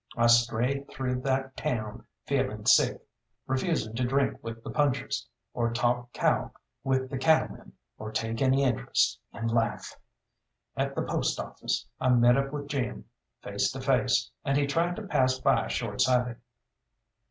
I strayed through that town feeling sick, refusing to drink with the punchers, or talk cow with the cattlemen, or take any interest in life. At the post office I met up with Jim, face to face, and he tried to pass by short sighted.